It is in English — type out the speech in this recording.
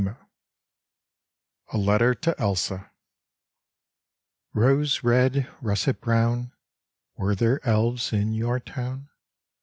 61 A LETTER TO ELSA Rose red, russet brown, Were there elves in your town